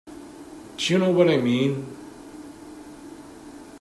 Do you know what I mean?